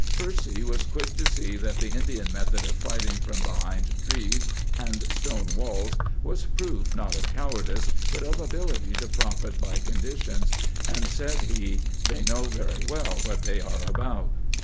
Percy was quick to see that the Indian method of fighting from behind trees and stone walls was proof not of cowardice, but of ability to profit by conditions ; and, said he, " they know very well what they are about."